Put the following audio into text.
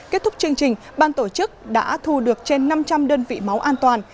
kết thúc chương trình ban tổ chức đã thu được trên năm trăm linh đơn vị máu an toàn